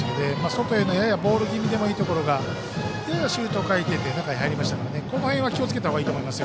外へのややボール気味のボールがややシュート回転で中に入りましたからこの辺は気をつけたほうがいいと思います。